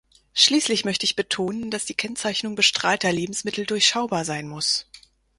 Schließlich möchte ich betonen, dass die Kennzeichnung bestrahlter Lebensmittel durchschaubar sein muss.